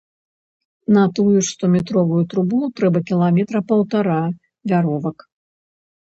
На тую ж стометровую трубу трэба кіламетра паўтара вяровак.